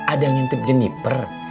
ada yang tip jeniper